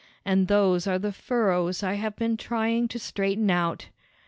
And those are the furrows I have been trying to straighten out.